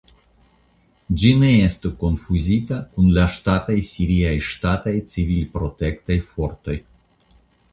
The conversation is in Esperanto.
Ĝi ne estu konfuzita kun la ŝtataj siriaj ŝtataj civilprotektaj fortoj.